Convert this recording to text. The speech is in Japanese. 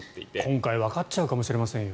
今回わかっちゃうかもしれませんよ。